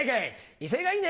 威勢がいいね！